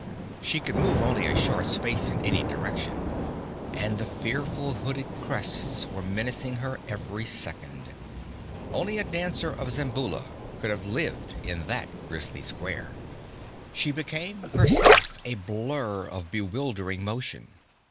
She could move only a short space in any direction, and the fearful hooded crests were menacing her every second. Only a dancer of Zamboula could have lived in that grisly square. She became, herself, a blur of bewildering motion.